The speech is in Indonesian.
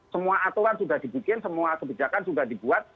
semua aturan sudah dibikin semua kebijakan sudah dibuat